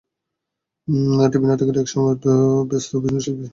TV নাটকের একসময়ের ব্যস্ত অভিনয়শিল্পী শমী কায়সারকে এখন খুব একটা দেখা যায় না।